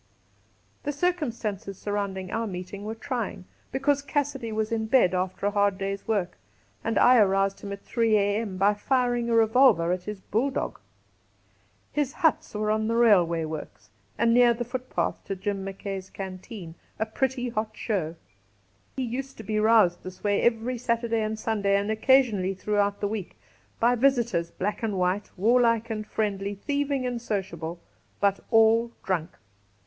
The circumstances surrounding our meeting were trying, because Cassidy was in bed after a hard day's work, and I aroused him at 3 a.m. by firing a revolver at his bulldog. His huts were on the railway works, and near the footpath to Jim Mackay's canteen — a pretty hot show. He used to be roused this way every Saturday and Sunday, and occasionally throughout the week, by visitors, black and white, warlike and friendly, thieving and sociable, but^all drunk.